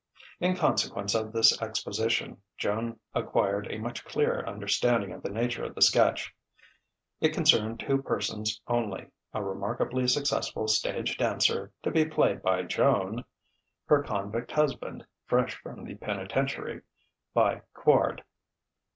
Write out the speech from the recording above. In consequence of this exposition, Joan acquired a much clearer understanding of the nature of the sketch. It concerned two persons only: a remarkably successful stage dancer, to be played by Joan; her convict husband, fresh from the penitentiary, by Quard.